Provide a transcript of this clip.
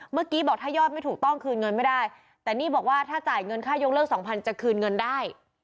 เมื่อกี้บอกถ้ายอดไม่ถูกต้องคืนเงินไม่ได้แต่นี่บอกว่าถ้าจ่ายเงินค่ายกเลิกสองพันจะคืนเงินได้